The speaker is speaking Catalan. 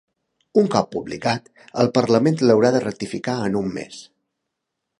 Un cop publicat, el parlament l’haurà de ratificar en un mes.